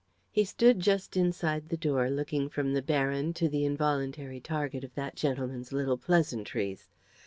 He stood just inside the door, looking from the Baron to the involuntary target of that gentleman's little pleasantries.